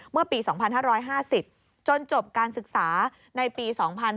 เมื่อปี๒๕๕๐จนจบการศึกษาในปี๒๕๕๙